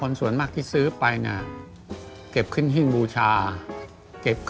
โอ้ลมหน่อลมพัดเลยไปโลกเคยรู้ฉันไหน